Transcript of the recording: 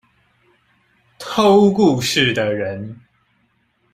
偷故事的人